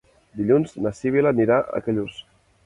Dilluns na Sibil·la anirà a Callús.